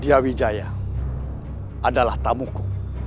dia wijaya adalah tamuku